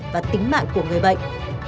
và tính mạng của người bệnh